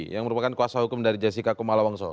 yang merupakan kuasa hukum dari jessica kumalawangso